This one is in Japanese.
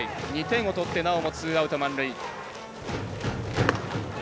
２点を取ってツーアウト、満塁。